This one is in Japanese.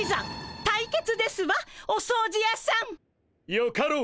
よかろう。